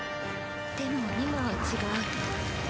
でも今は違う。